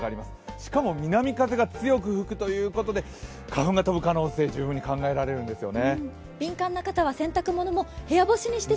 しかも南風が強く吹くということで花粉が吹く可能性十分に考えられるんですよね。